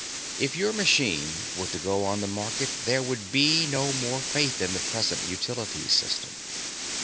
"If your machine were to go on the market, there would be no more faith in the present utilities system.